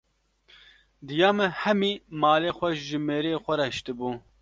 Diya me hemî malê xwe ji mêrê xwe re hişti bû.